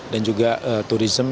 dan juga tourism